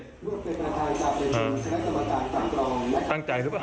อืมตั้งใจหรือเปล่า